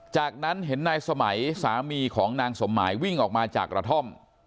จากนั้นเห็นนายสมัยสามีของนางสมหมายวิ่งออกมาจากกระท่อม